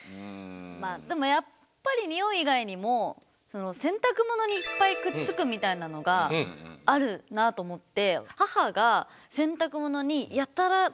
まあでもやっぱりニオイ以外にも洗濯物にいっぱいくっつくみたいなのがあるなと思って。